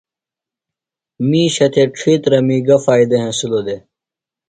مِیشہ تھےۡ ڇِھیترمی گہ فائدہ ہنسِلوۡ دےۡ؟